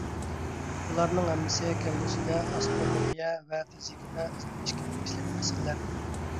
بۇلارنىڭ ھەممىسى كەلگۈسىدە ئاسترونومىيە ۋە فىزىكىدا ئىزدىنىشكە تېگىشلىك مەسىلىلەر.